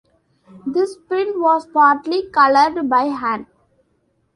This print was partly coloured by hand.